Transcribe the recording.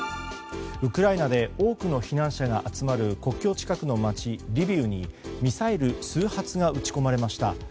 ウクライナで多くの避難者が集まる国境近くの街リビウにミサイル数発が撃ち込まれました。